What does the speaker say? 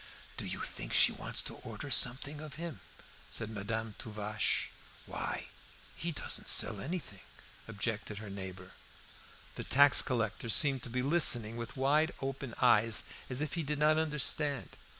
"Do you think she wants to order something of him?" said Madame Tuvache. "Why, he doesn't sell anything," objected her neighbour. The tax collector seemed to be listening with wide open eyes, as if he did not understand.